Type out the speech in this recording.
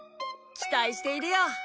期待しているよ。